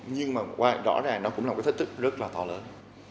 nhưng mà rõ ràng nó cũng là một cái thách thức rất là to lớn